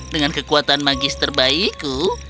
dengan kekuatan magis terbaikku